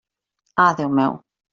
Ah, Déu meu!